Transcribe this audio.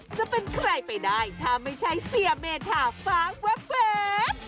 จะเป็นใครไปได้ถ้าไม่ใช่เสียเมธาฟ้าแว๊บ